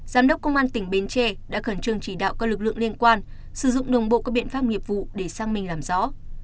giám đốc công an tỉnh bến tre đã khẩn trương chỉ đạo các lực lượng liên quan sử dụng đồng bộ các biện pháp nghiệp vụ để sang mình làm rõ